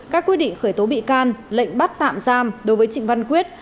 các quy định khởi tố bị can lệnh bắt tạm giam đối với trịnh văn quyết